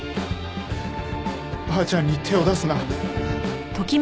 ばあちゃんに手を出すな。